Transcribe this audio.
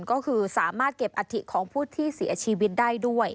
ก็คือสามารถเก็บอัฐิของผู้ที่เสียชีวิตได้ด้วย